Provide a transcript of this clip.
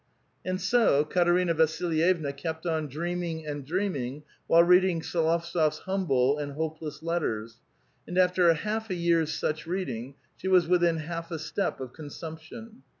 And so Katerina Vasilyevna kept on dreaming and dream ing while reading S6lovtsof's humble and hopeless letters ; and after half a vear's such reading:, she was within half a step of consumption.